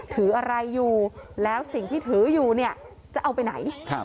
ถืออะไรอยู่แล้วสิ่งที่ถืออยู่เนี่ยจะเอาไปไหน